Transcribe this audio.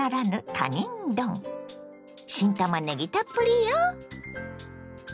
新たまねぎたっぷりよ。